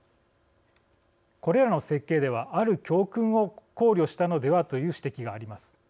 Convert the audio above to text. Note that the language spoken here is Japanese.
これらの設計ではある教訓を考慮したのではという指摘があります。